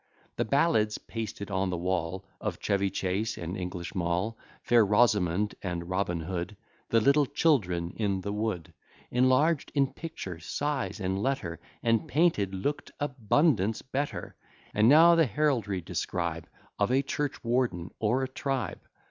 The ballads, pasted on the wall, Of Chevy Chase, and English Mall, Fair Rosamond, and Robin Hood, The little Children in the Wood, Enlarged in picture, size, and letter, And painted, lookt abundance better, And now the heraldry describe Of a churchwarden, or a tribe.